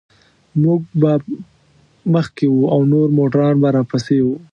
موږ به مخکې وو او نور موټران به راپسې و.